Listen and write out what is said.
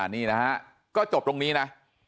นี่นะฮะก็จบตรงนี้นะ